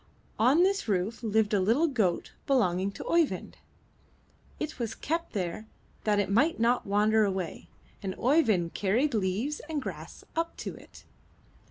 On this roof lived a little goat belonging to Oeyvind; it was kept there that it might not wander away, and Oeyvind carried leaves and grass up to it.